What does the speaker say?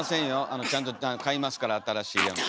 あのちゃんと買いますから新しいやつ。